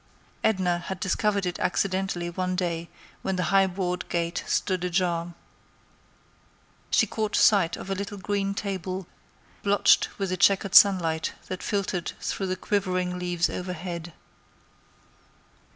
Edna had discovered it accidentally one day when the high board gate stood ajar. She caught sight of a little green table, blotched with the checkered sunlight that filtered through the quivering leaves overhead.